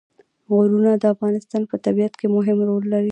غرونه د افغانستان په طبیعت کې مهم رول لري.